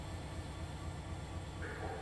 আমাদের তাকে থামাতে হবে!